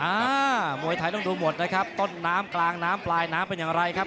อ่ามวยไทยต้องดูหมดนะครับต้นน้ำกลางน้ำปลายน้ำเป็นอย่างไรครับ